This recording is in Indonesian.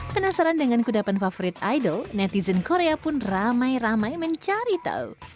penasaran dengan kudapan favorit idol netizen korea pun ramai ramai mencari tahu